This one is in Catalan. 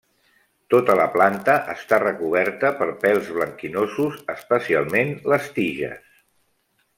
Tota la planta està recoberta per pèls blanquinosos, especialment les tiges.